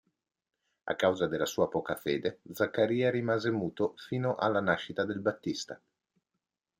A causa della sua poca Fede, Zaccaria rimase muto fino alla nascita del Battista.